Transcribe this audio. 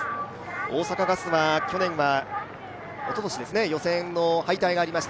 大阪ガスはおととしは予選の敗退がありました。